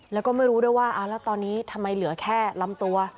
แล้วก็ไม่รู้ด้วยว่าแล้วตอนนี้ทำไมเหลือแค่ลำตัว